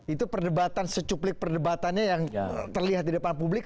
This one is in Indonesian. itu perdebatan secuplik perdebatannya yang terlihat di depan publik